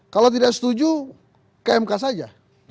kalau tidak setuju ke mk saja